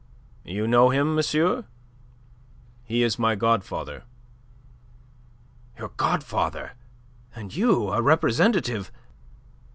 "You know him, monsieur?" "He is my godfather." "Your godfather! And you a representative!